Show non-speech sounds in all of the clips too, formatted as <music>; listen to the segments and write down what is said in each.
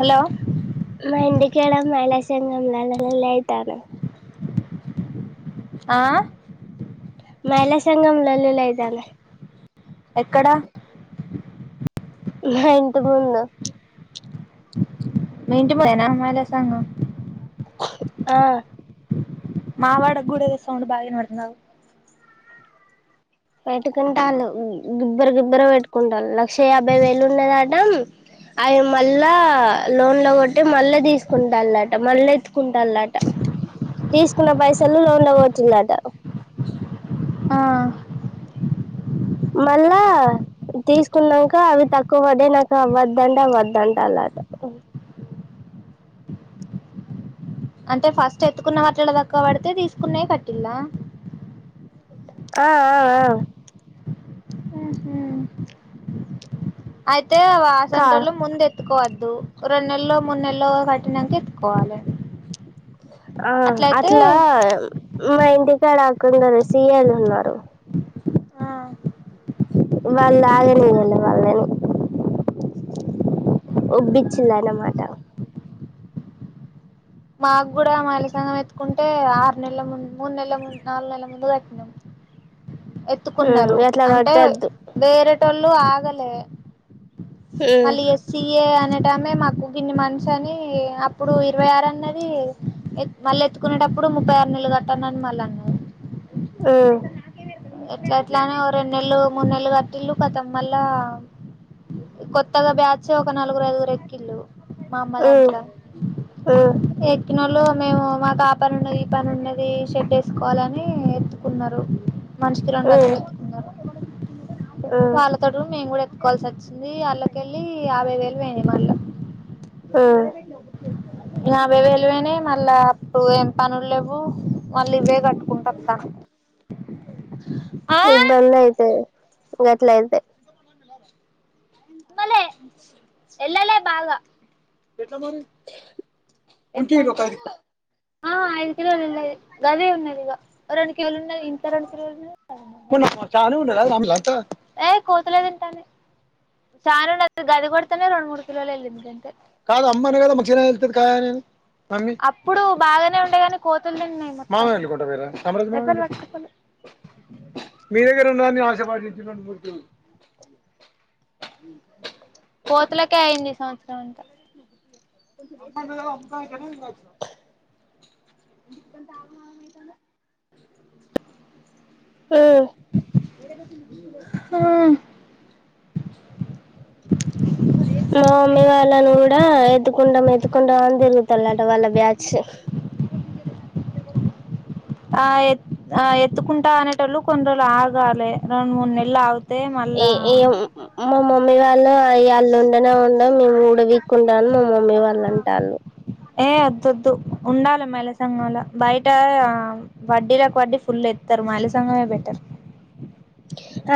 Hello మా ఇంటి కాడ మలా చెంగామ్ల నలయితను ఆ మహిళా సంఘం లొల్లి లు అయితనై ఎక్కడ ఇంటి ముందు ఇంటి ముందే నా మహిళా సంఘం ఆ మా వాడ కూడా సౌండ్ బాగా వినపడుతుంది ఆగు పెట్టుకుంటాల గుబ్బర గుబ్బర పెట్టుకుంట క్ష యాభైేలు ఉన్నదా డం అవి మళ్ళా లోన్ లో కొట్టి మళ్ళా తీసుకుంటాట మళ్ళా ఎత్తుకుంటాలాట తీసుకున్న పైసలు లోన్లో కొట్టిన్లట ఆ మళ్ళా తీసుకున్నాక అవి తక్కువ పడే నాకు అవ్వద్దంటే అవ్వద్దంట అలాట అంటే ఫస్ట్ ఎత్తుకున్న మట్ల దకువ పడితే తీసుకునే కట్టిల్లా ఆ ఆ అయి అ కా సెంటర్ లో ముందు ఎ ఎత్తుకోవద్దు రెండు నెల మూడు నెల కట్టినాక ఎత్తుకోవాలి ఆ అట్లా మా ఇంటికాడ కొందరు సి ఏ లు ఉన్నారు ఆ వాళ్ల్ ఆగ నియ్యలే వాళ్ళని ఉబ్బిచ్లన్నమాట మాకు కూడా మాహిళసఘం ఎత్తుకుంటే ఆరు నెలల ముందు మూడు నెలల ముందు నాలుగు నెలల ముందు కట్టినము ఉమ్ ఎత్తుకున్నారు గట్లా అంటే కొట్టొద్దు వేరే ట్టళ్లుు ఆగలే ఉమ్ మళ్ళీ స్ సి ఏ అనటమే మాకు కిన్ని మంతస్ అని అప్పుడు ఇరవై ఆరు అన్నది మళ్ళీ ఎత్తుకునేటప్పుడు ముప్పై ఆరు నెలలు కట్టానని మళ్ళ అన్నాది హ్మ్మ్ ఎట్లా ఎట్లా అని ఓ రెండు నెలలు మూడు నెలలు కట్టిండ్లు కతం మళ్ళ కొత్తగా బ్యాచి ఒక నలుగురు ఐదుగు ర ఎక్కిళ్లు మా అమ్మ ఉమ్ దాంట్లో ఉమ్ పు మేము మా త పని ఉన్నది ఈ పని ఉన్నది షెడ్ వేసుకోవాలని ఎత్తుకున్నారు మనిషికి రెండు ఉమ్ అచ్చలు ఎత్తుకున్నారు ఉమ్ వాళ్ళతోోటి మేము కూడా ఎత్కోవాల్సి వచ్చింది వాళ్ళక వెళ్ళి యాభై వేలు వేయినాయ్ మళ్ళా ఉమ్ యాభై వేలు వెయినై మళ్ళా అప్పుడు ఏం పనులు లేవు మళ్ళీ ఇవే కట్టుకుంటుఅత్తాన్నాము హ ఇబ్బందైతే ఈగట్లే అయితే నిమ్మలే ఎల్లలే బాగా ఎట్లా మరి కొంట కత <unintelligible> ఆ ఐదు కిలోలు ఇల్లేది గద ఉన్నది ఇగా రెండుకిలోలు ఉన్నది ఇంట్ల రెండుకిలోలు <unintelligible> ఉండాలంతా ఏ కోతులేతింటన్నై సను గది కొడతనే రెండు మూడు కిలోల గాంతే కాదు అమ్మ నీ మంచిగానే ఎలాత్దై కాయ అప్పుడు బాగానే ఉండేగాని కోతులు తిన్నాయి మొత్తం <unintelligible> కోతులకే అయింది ఈ సంవత్సరం అంతా ఉమ్ హా మా మమ్మీ వాళ్ళను కూడా ఎత్తుకుంటాం ఎత్తుకుంటా అని తిరుగుతలట వాళ్ళ బ్యాచ్. ఆ ఎత్ ఆ ఎత్తుకుంటా అనేటోళ్ళు కొన్నిరోళ్ళు ఆగాలి రెం మూడు నెల్లు ఆగు ఏయేఎం మా మమ్మీ వాళ్ళ అయ్ ఆల్లో ఉండనే ఉండం మేం ఊడ వీక్ కుండాళ్ళు మమ్మీ వాళ్ళని టాల్లు ఏ అద్దొద్దు ఉండాలి మహిళాసంఘంలా బయట వడ్డీలకు వడ్డీ ఫుల్ ఏత్తారు మైళ సంఘమే బెటర్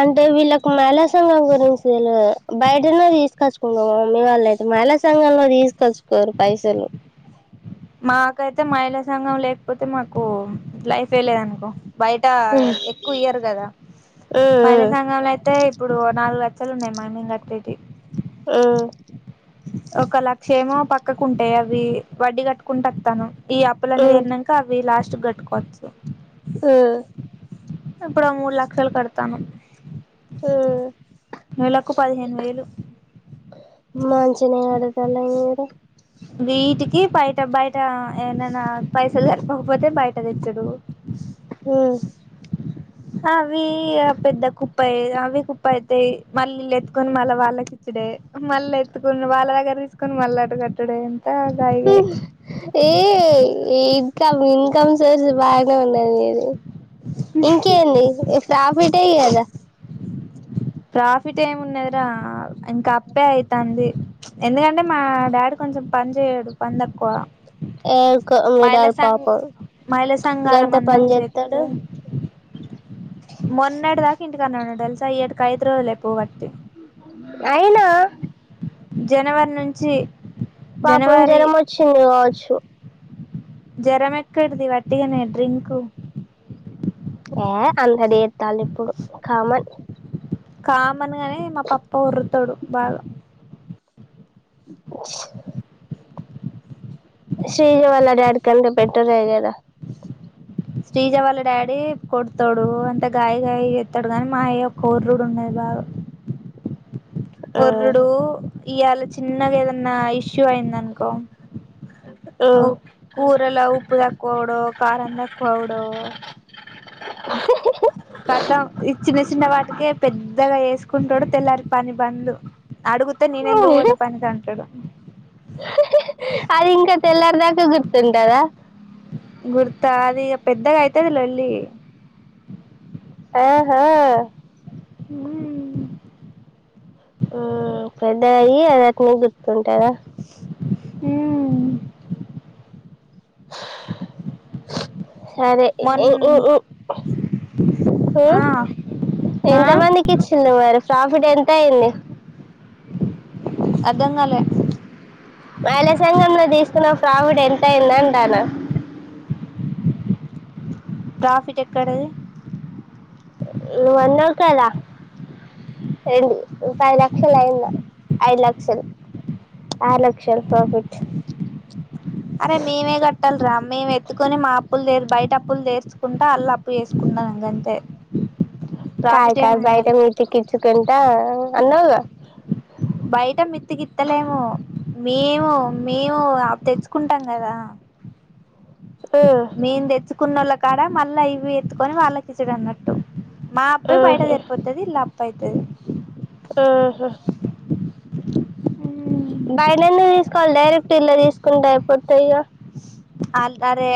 అంటే వీళ్ళకి మహిళా సంఘం గురించి తెల్వదు బయటనే తీసుకొచ్చుకుంటా మా మమ్మీ వాళ్ళు అయితే మహిళా సంఘంలో తీసుకొచ్చుకోరు పైసలు మాకైతే మహిళా సంఘం లేకపోతే మాకు లైఫ్ ఏ లే అనుకో బయట మ్మ్ ఎక్కువ ఇయ్యరు కదా మహిళా మ్మ్ సంఘంలో అయితే ఇప్పుడు నాలుగు ల సలు ఉండయి మైనింగ్ కట్టేటి ఊ ఒక లక్ష ఏమో పక్కకుంటాయి అవి వడ్డీ కట్టుకుంటత్తాను ఈ అప్పులన్నీ మ్మ్ తీరినంక అవి లాస్ట్ గట్టుకోవచ్చు సు ఇప్పుడు ఆ మూడు లక్షలు కడతాను ఊ నెలకు పదిహేను వేలు మాంచినే అడుగుతాను ఊరు వీటికి బయట బయట ఏంటనా పైసలు సరిపోకపోతే బయట తెచ్చుడు ఊ అవి పెద్ద కుప్పయ్య అవి కుప్ప అయితాయి మళ్ళీ ఎత్తుకొని మళ్ళీ వాళ్ళకిచ్చుడే మళ్ళ ఎత్తుకొని వాళ్ళ దగ్గర తీసుకొని మళ్ళీ అటు గట్ ట్టుడేన్ ఏ ఇద్ కమ్ ఇన్కమ్ సోర్స్ బాగానే ఉన్నాది నిది ఇంకేంది ఈ ప్రాఫిటే కదా ప్రాఫిట్ ఏమున్నదిరా ఇంకాప్పే అయితంది ఎందుకంటే మా డాడీ కొంచెం పని చేయడు పన్ తక్కువ ఏ ఉకో మీ మహిళ డాడీ సంఘ పాపం మహిళ సంఘాల గంత మందం చేస్తే పన్జేతడు మొన్నటి దాక ఇంటి కన్నా దేల్సా ఎత్క్ ఐదు రోజులై పోబట్టి అయినా జనవరి నుంచి పాపం జనవరి జరం వచ్చింది గావచ్చు జ్వరం ఎక్కడిది వట్టిగానే డ్రింకు ఏ అంత లేద్ తలిప్పుడు కామన్ కామనే గానీ మా పప్ప ఓర్రుతాడు బాగా శ్రీజ వాళ్ళ డాడీ కంటే బేటరె గాద శ్రీజ వాళ్ళ డాడీ కొడతాడు అంత గాయ గాయ జెత్తడు గాని. మాయ్య పోర్రుడు ఉండది బాగా పోర్రుడు ఇయ్యాళ చిన్నగా ఏదన్నా ఇష్యూ అయిందనుకో ఓ కూరలా ఉప్పు తక్కువవుడు కారం తక్కువవుడు ఖతం ఈ చిన్న చిన్న వాటికే పెద్దగా వేసు కుంటోడు తెల్లారి పని బందు అడుగుతే ననెందుకు పోతా పనికి అంటడు అదింకా తెల్లారి దాకా గుర్తుంటదా గుర్తా అదిగ పెద్దగా అయితాది లొల్లి ఆహా ఊ పెద్దగా అయ్యి అది అటనే గుర్తుంటదా ఊ సరే మొన్ <unintelligible> హూ ఆ ఆ ఎంతమందికిచ్చిండు మరి ప్రాఫిట్ ఎంత అయ్యింది అర్దం గాలే మహిళా సంఘం ల తీస్ కున్న ఫ్రావిట్ ఎంతయ్యింది అంటానా ప్రాఫిట్ ఎక్కడది నువ్ అన్నావు కదా ఎండి ఈ పది లక్షలు అయ్యిందా ఐదు లక్షలు ఆరు లక్షలు ప్రాఫిట్ అరే మేమే కట్టాలిరా మేము ఎత్తుకొని మా అప్పులు తీర్ బయట అప్పులు తెచుకుంటా అళ్ల్ అప్పు చేసుకునను ఇంగంతే కాదు కాదు బయట మెత్తికిచ్చుకుంటాం అన్నావ్ గా బయట మెత్తికిత్తలేము మేము మేము అప్ తెచ్చుకుంటాం కదా. మ్మ్ మేం తెచ్చు కున్నోళ్ళ కాడ మళ్ళా ఇవి ఎత్తుకొని వాళ్ళకి ఇచ్చుడు అన్నట్టు మా అప్పే బయట మ్మ్ జరిపోతుది లాబ్ టైతది మ్మ్ హు బైలేలి తీసుకోవాలి డైరెక్ట్ ఇల్ల తీసుకుంటే అయిపోతాయిగా అల్ అరే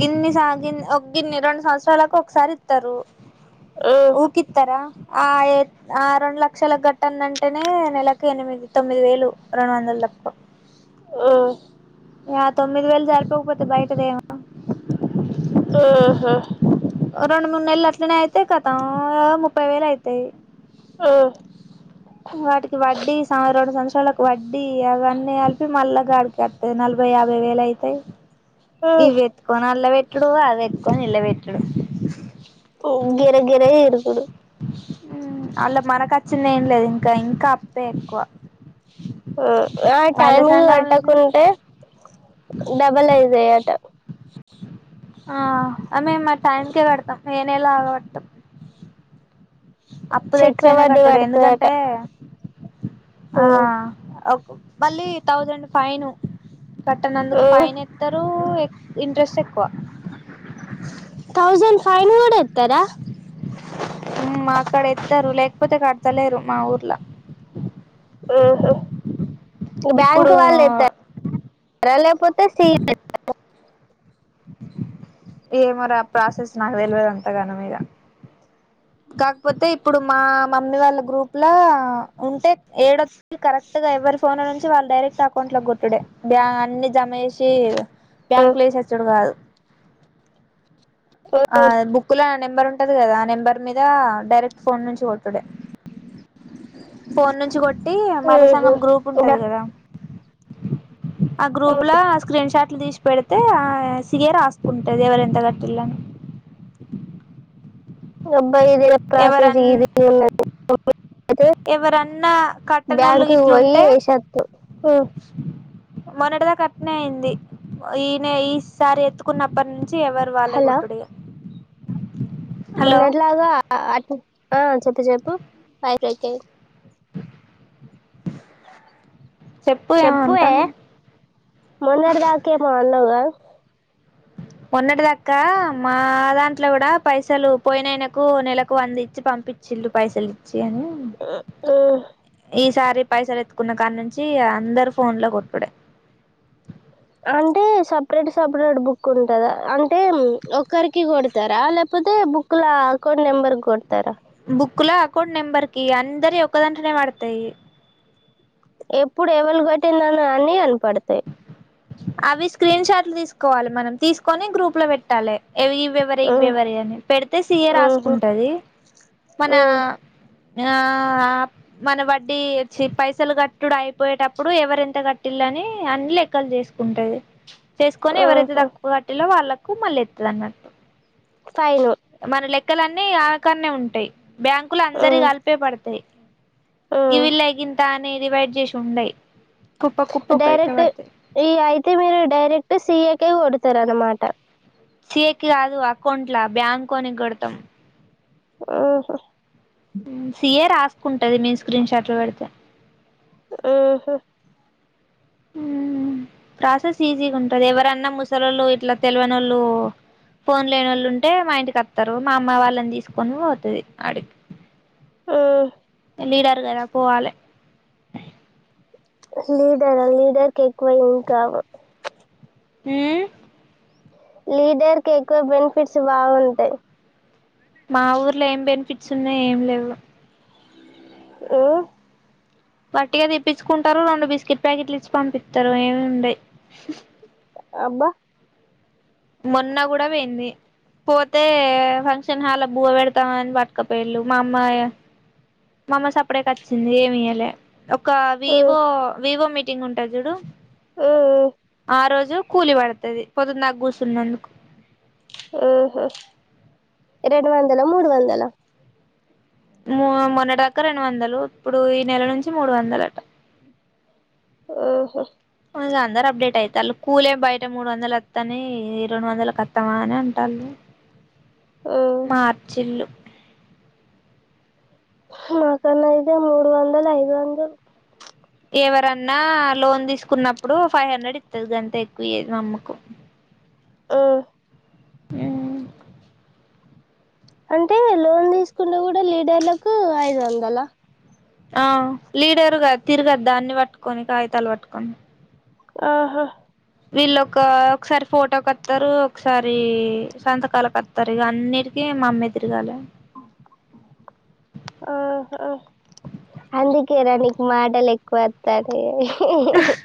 గిన్ని స గిన్ ఒక గిన్ని ర రొండు సంవత్సరలకి ఒకసారి ఇత్తరు మ్మ్ ఊకిత్తార ఆ ఆ రెండు లక్షలకి గట్టందంటేనే నెలకు ఎనిమిది తొమ్మిది వేలు రెండు వందలు తక్కువ ఉం ఆ తొమ్మిది వేలు జరిపోకపోతే బయటదేమ ఉ హా రెండు మూడు నెలలు అట్లనే అయితే కతం ఒ ముప్పై వేలు అయితాయి ఉం వాటికి వడ్డీ సంవర రెండు సంవత్సరాలకు వడ్డీ యఅవన్నీ కలిపి మళ్లాగాడికి గత్తది నలభై యాభై వేల అయితే ఇవి ఎత్కోన అల్ల పెట్ డు అవి ఎత్కూని ఇళ్ల పెట్టుడు గిర గిర ఇరుకుడు అళ్లా మనక వచ్చింది ఏం లేదు ఇంకా ఇంకా అప్పే ఎక్కువ ఆ మహిళా టైమింగ్ సంఘాలనే కట్టకుంటే డబల్ ఐతయట ఆ అనే మ టైం కే కడతాం ఎ నెల ఆగవట్టం అప్పు తెచ్చయినా చక్రవడ్డీ కట్టడు పడతదట ఎందుకంటే ఆ మ్మ్ ఒక్ మళ్ళీ థౌజండ్ ఫైన్ కట్టనందుకు మ్మ్ ఫైన్ ఎత్తరు ఎ ఇంట్రెస్ట్ ఎక్కువ థౌసండ్ ఫైవ్న్ కూడా ఎత్తరా ఉం మాకడ ఎత్తరు లేకపోతే కడతలేరు మా ఊర్లా రు హా ఇప్పుడు బ్యాంక్ వాళ్ళు ఎత్తరా లేకపోతే సి ఏమొరా ప్రాసెస్ నాకు తెలివది అంతగానం ఇగ కాకపోతే ఇప్పుడు మా మమ్మీ వాళ్ళ గ్రూప్ ల ఉంటే ఏడో కరెక్ట్ గా ఎవరి ఫోన్ ల నుంచి వాళ్ళు డైరెక్ అ కౌంట్ లకు కొట్టుడే బ్యా అన్ని జమ చేేసి బ్యాంక్ ల వేసచ్చడు కాదు ఆ బుక్ ల నెంబర్ ఉంటది కదా ఆ నెంబర్ ధర డైరెక్ట్ ఫోన్ నుంచి కొట్టుడే ఫోన్ నుంచి కొ ట్టి మైల మ్మ్ హు సంఘం గ్రూప్ మ్మ్ ఉంటది కదా ఆ హు గ్రూప్ల స్క్రీన్ షాట్లు తీసి పెడితే ఆ సిఏ రాసుకుంటది ఎవరు ఎంత గట్టిల్లని ఇగ అం పా ఇది ప్రాసెస్జ ఎవరన్ ఎవరన్నా కట్టనోళ్ళు బ్యాంక్ పోయి గిట్లుంటే వేస ఓ మొన్నటి దాకా అట్నే అయింది ఈనే ఈసారి ఎత్తుకున్నప్పన్ ఛ ఎవరు వాళ్లే హలో కొట్టుడే మొన్నట్లాగా అట్ల ఆ చెప్పు చెప్పు పైకెక్కే చెప్పు ఏమో చెప్పువే అంటానవ్ మొన్నటిదాకేమో అన్నావు కదా మొన్నటిదక్క మా దాంట్లో కూడా పైసలు పోయినాయనకు నెలకు వంద ఇచ్చి పంపిచ్చిల్లు పైసలు ఇచ్చి అని ఆ ఓ ఈసారి పైసలు ఎత్తుకున్న కా నుంచి అందరూ ఫోన్ లో కొట్టుడే అంటే సపరేట్ సపరేట్ బుక్ ఉంటదా అంటే ఒక్కరికి కొడతారా లేకపోతే బుక్ ల అకౌంట్ నెంబర్ కొడతారా కౌంట్ నెంబర్ కి అందరియి ఒక్కదాంట్లోనే పడతాయి ఎప్పుడు ఎవళ్లు కొట్టిం <inaudible> అని కనపడతాయి అవి స్క్రీన్ షాట్లు తీసుకోవాలి మనం తీసుకొని గ్రూప్ లో పెట్టాలే ఏవి ఇవ్వెవరివి ఉమ్, ఇవ్వెవరివి అని పెడితే సీ ఏ ఉమ్హు, రాసుకుంటది మన ఉమ్, ఆ ఆ మన వడ్డీ ఇచ్చి పైసలు కట్టుడు అయిపోయేటప్పుడు ఎవరెంత కట్టిల్లని అని లెక్కలు చేసుకుంటది చేసుకొని ఎవరైతే ఉమ్హు. తక్కువ కట్టిల్లో వాళ్ళక్ కు మలెత్తదన్నట్టు ఫైను క్కలన్నీ అమె కాడనే ఉంటాయి బ్యాంకుల అందరియి ఉమ్, కలిపే పడతాయి ఉమ్. గివల్గింత నీ డివైడ్ చేసి ఉండై కుప్ప కుప్ప తాయి ఎక్తే అయితే మీరు డైరెక్ట్ సిఎ కే ఓడుతార అన్నమాట సిఎ కి కాదు అకౌంట్లా బ్యాంక్ కొనికి కొడతాం అహా హు సిఏ రాస్ కుంటది మీన్ స్క్రీన్ షాట్ లో పెడితే హూ హూ ప్రాసెస్ ఈజీ ఉంటది ఎవరన్నా ముసలోళ్లు ఇట్లా తెల్వనోళ్లు ఫోన్ లేనోళ్లు ఉంటే మా ఇంటికి వస్తారు మా అమ్మ వాళ్లని తీసుకుని పోతది ఆడిక్ హూ విడారుగాదా పోవాలి లీడర్ లీడర్ క ఎక్కువ ఇంకావ హుహ్ లీడర్కి ఎక్కువ బెనిఫిట్స్ బాగుంటాయి. మా ఊర్లో ఏం బెనిఫిట్స్ ఉన్నాయి. ఏం లేవు ఉహ్ వట్టిగా తెప్పించుకుంటారు. రెండు బిస్కెట్ ప్యాకెట్లు ఇచ్చి పంపిత్తరు. ఏముండయ్. అబ్బా మొన్న కూడా పోయింది. పోతే ఫంక్షన్ హాల్ల బువ పెడతామని పట్టుకపోయిళ్ళు. మా అమ్మ ఇగ మా అమ్మ సప్డేక్ వచ్చింది. ఏమియ్యలే ఒక ఊ వివో వివో మీ టింగ్ ఉంటది. జుడు ఆహ్ ఆహ్ ఆ రోజు కూలి పడుతది. పొద్దున్దకాకుస్ సున్నాందుకు. ఓహో రెండు వందల, మూడు వందల్ ల మో మొన్నడ్దాకా రెండు వందలు. ఇప్పుడు ఈ నెల నుంచి మూడు వందలట. ఓహో అందరు అప్డేట్ అయితళ్ళు. కూలే బయట మూడు వందలు వత్రాన్నై. ఈ రెండు వందలకు వత్తామా అని అంటాళ్ళు. ఊ మార్చిళ్ళు. మాకనైతే మూడు వందల్, ఐదు వందల్ ఎవరన్నా లోన్ తీసుకున్నప్పుడు. ఫైవ్ హండ్రెడ్ ఇత్తది. గంతే ఎక్కువియ్యది. మా అమ్మకు. ఓహ్ మ్మ్ అంటే లోన్ తీసుకుంటే. కూడా లీడర్లకు ఐదు వందల ఆ లీడర్గా తిర్గోద్ద అన్ని పట్టుకొని, కాయితాలు పట్టుకొని. ఆహా వీళ్ళొక ఒకసారి ఫోటో కత్తారు, ఒకసారి సంతకాల కత్తరు ఇగా. అన్నిటికీ మా అమ్మే తిరగాల ఆహా అందుకే రా నికు మాటలు ఎక్కువ వత్తది. ఓహహ